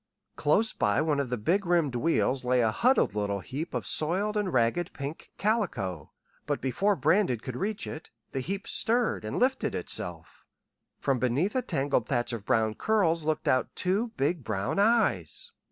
Close by one of the big rimmed wheels lay a huddled little heap of soiled and ragged pink calico; but before Brandon could reach it, the heap stirred, and lifted itself. From beneath a tangled thatch of brown curls looked out two big brown eyes.